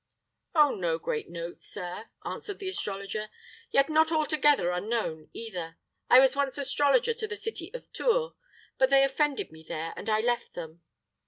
"Of no great note, sir," answered the astrologer; "yet not altogether unknown, either. I was once astrologer to the city of Tours; but they offended me there, and I left them.